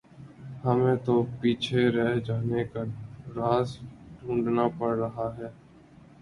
ہمیں تو پیچھے رہ جانے کا راز ڈھونڈنا پڑ رہا ہے۔